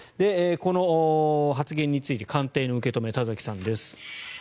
この発言について官邸の受け止め、田崎さんです。